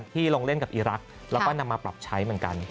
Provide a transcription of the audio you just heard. ลงเล่นกับอีรักษ์แล้วก็นำมาปรับใช้เหมือนกัน